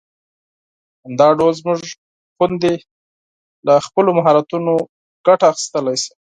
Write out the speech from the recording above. همدا ډول زموږ خويندې له خپلو مهارتونو ګټه اخیستلای شي.